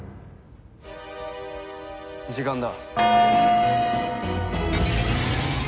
時間だ。